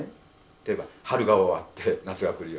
例えば春が終わって夏が来るように。